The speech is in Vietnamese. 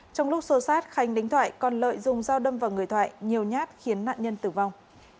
trong lúc xô sát khánh đánh thoại còn lợi dùng dao đâm vào người thoại nhiều nhát khiến nạn nhân tử vong